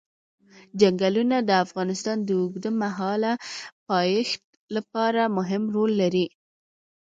چنګلونه د افغانستان د اوږدمهاله پایښت لپاره مهم رول لري.